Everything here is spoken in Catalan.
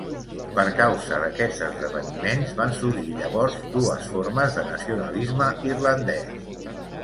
Per causa d'aquests esdeveniments, van sorgir llavors dues formes de nacionalisme irlandès.